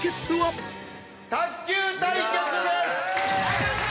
卓球対決です！